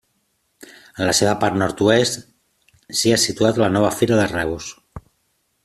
En la seva part nord-oest s'hi ha situat la nova Fira de Reus.